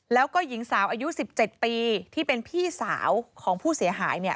แล้วก็หญิงสาวอายุ๑๗ปีที่เป็นพี่สาวของผู้เสียหายเนี่ย